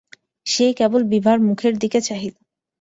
সে কেবল বিভার মুখের দিকে চাহিল।